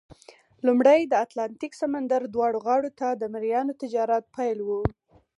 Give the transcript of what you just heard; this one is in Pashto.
لومړی د اتلانتیک سمندر دواړو غاړو ته د مریانو تجارت پیل وو.